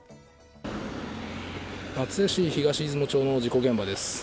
松江市東出雲町の事故現場です。